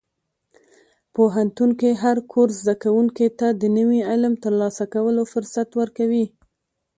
پوهنتون کې هر کورس زده کوونکي ته د نوي علم ترلاسه کولو فرصت ورکوي.